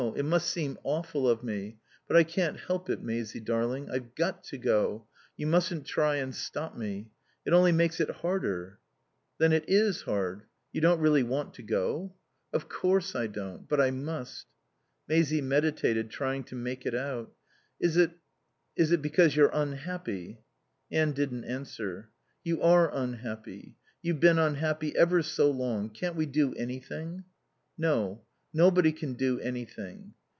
It must seem awful of me; but I can't help it, Maisie darling. I've got to go. You mustn't try and stop me. It only makes it harder." "Then it is hard? You don't really want to go?" "Of course I don't. But I must." Maisie meditated, trying to make it out. "Is it is it because you're unhappy?" Anne didn't answer. "You are unhappy. You've been unhappy ever so long. Can't we do anything?" "No. Nobody can do anything."